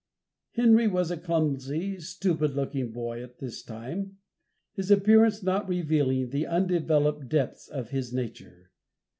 Henry was a clumsy, stupid looking boy at this time, his appearance not revealing the undeveloped depths of his nature.